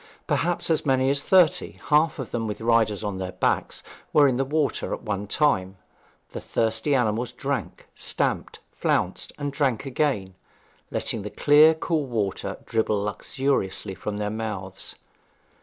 Perhaps as many as thirty, half of them with riders on their backs, were in the water at one time; the thirsty animals drank, stamped, flounced, and drank again, letting the clear, cool water dribble luxuriously from their mouths.